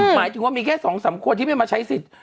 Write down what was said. หมายถึงว่ามีแค่๒๓คนที่ไม่มาใช้สิทธิ์